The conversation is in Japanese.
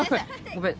ごめん